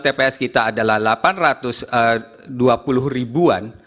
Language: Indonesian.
tps kita adalah delapan ratus dua puluh ribuan